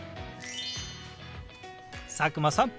佐久間さん